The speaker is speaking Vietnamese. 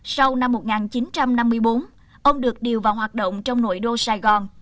sau năm một nghìn chín trăm năm mươi bốn ông được điều vào hoạt động trong nội đô sài gòn